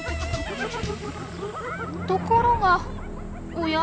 ところがおや？